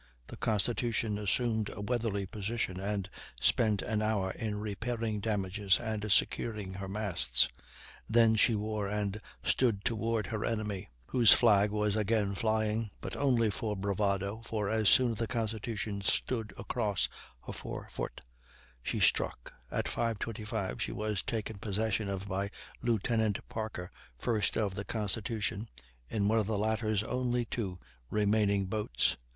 The Constitution assumed a weatherly position, and spent an hour in repairing damages and securing her masts; then she wore and stood toward her enemy, whose flag was again flying, but only for bravado, for as soon as the Constitution stood across her forefoot she struck. At 5.25 she was taken possession of by Lieutenant Parker, 1st of the Constitution, in one of the latter's only two remaining boats.